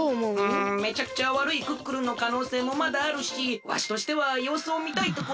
うんめちゃくちゃわるいクックルンのかのうせいもまだあるしわしとしてはようすをみたいところじゃが。